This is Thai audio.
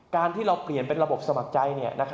การที่เราเปลี่ยนเป็นระบบสมัครใจ